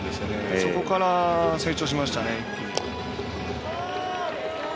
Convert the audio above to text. そこから一気に成長しましたね。